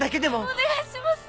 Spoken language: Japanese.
お願いします。